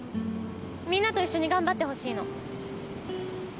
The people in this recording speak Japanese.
みんなと一緒に頑張ってほしいの。